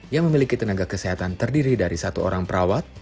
yang memiliki tenaga kesehatan terdiri dari satu orang perawat